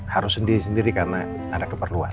harus sendiri sendiri karena ada keperluan